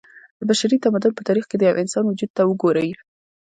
د بشري تمدن په تاريخ کې د يوه انسان وجود ته وګورئ